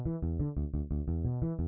tidak bisa diandalkan